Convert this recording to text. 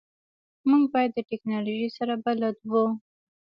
موږ باید د تکنالوژی سره بلد وو